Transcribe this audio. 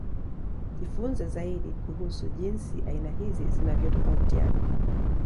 Jifunze zaidi kuhusu jinsi aina hizi zinavyotofautiana